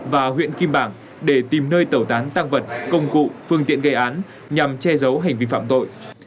và huyện kim bảng để tìm nơi tẩu tán tăng vật công cụ phương tiện gây án nhằm che giấu hành vi phạm tội